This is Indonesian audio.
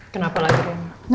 kenapa lagi rena